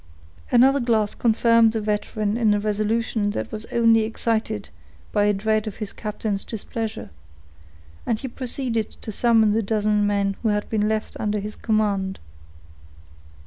Another glass confirmed the veteran in a resolution that was only excited by a dread of his captain's displeasure, and he proceeded to summon the dozen men who had been left under his command.